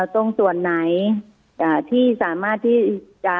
ตรงส่วนไหนที่สามารถที่จะ